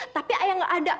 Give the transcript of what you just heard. tapi ayan gak ada